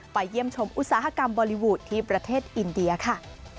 เยี่ยมชมอุตสาหกรรมบอลลีวูดที่ประเทศอินเดียค่ะ